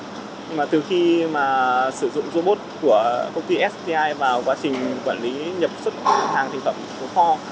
nhưng mà từ khi mà sử dụng robot của công ty sti vào quá trình quản lý nhập xuất hàng thành phẩm của kho